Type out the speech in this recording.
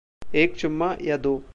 एक चुम्मा या दो?